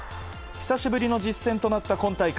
久しぶりの実戦となった今大会。